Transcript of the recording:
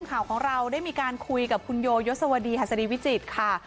ข่าวของเราได้มีการคุยกับคุณโยยศวดีหัสดีวิจิตรค่ะ